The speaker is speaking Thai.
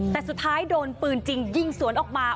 แต่สุดท้ายโดนปืนจริงยิงสวนออกมา